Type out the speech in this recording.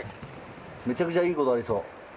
めちゃくちゃいいことありそう。